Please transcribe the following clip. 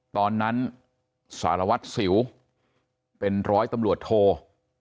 ตอนนั้นสารวัตรสิวเป็นร้อยตำรวจโท